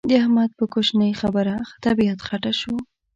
د احمد په کوشنۍ خبره طبيعت خټه شو.